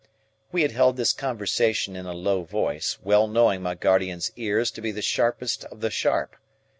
We had held this conversation in a low voice, well knowing my guardian's ears to be the sharpest of the sharp.